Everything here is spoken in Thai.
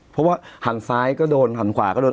เพราะว่าหันซ้ายก็โดนหันขวาก็โดน